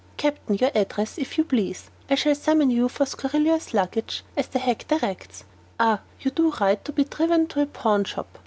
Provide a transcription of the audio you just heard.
"Captain, your address, if you please; I shall summon you for scurrilous language, as the hact directs. Ah, you do right to be driven to a pawn shop."